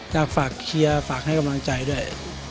อยากฝากเชียร์ฝากให้กำลังใจด้วย